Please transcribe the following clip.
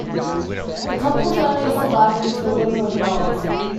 The couple's only surviving children were girls.